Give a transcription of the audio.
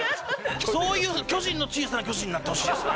そういう巨人の小さな巨人になってほしいですね。